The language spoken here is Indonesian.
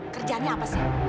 kerjanya apa sih